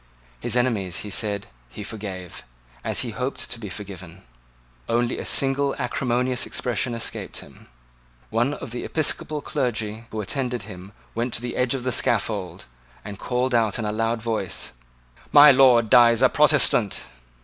His enemies, he said, he forgave, as he hoped to be forgiven. Only a single acrimonious expression escaped him. One of the episcopal clergymen who attended him went to the edge of the scaffold, and called out in a loud voice, "My Lord dies a Protestant."